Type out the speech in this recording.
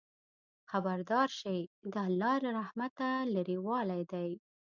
خبردار شئ! د الله له رحمته لرېوالی دی.